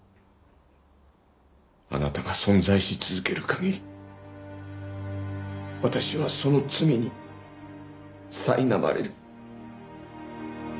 あなたが存在し続ける限り私はその罪にさいなまれる。